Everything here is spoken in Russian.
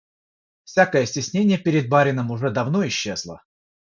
Всякое стеснение перед барином уже давно исчезло.